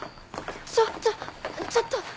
ちょちょちょっと！